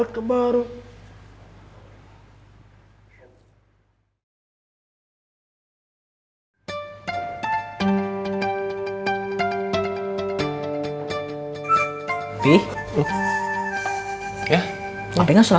kan yang veo ya